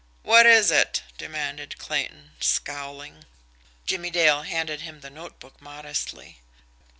"What is it?" demanded Clayton, scowling. Jimmie Dale handed him the notebook modestly.